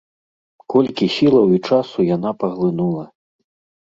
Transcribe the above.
Колькі сілаў і часу яна паглынула!